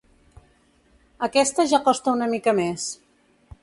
Aquesta ja costa una mica més.